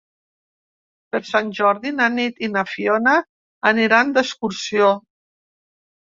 Per Sant Jordi na Nit i na Fiona aniran d'excursió.